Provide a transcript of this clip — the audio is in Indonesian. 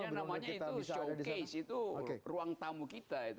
jelas itu karena namanya itu showcase itu ruang tamu kita